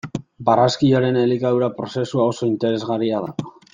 Barraskiloaren elikadura prozesua oso interesgarria da.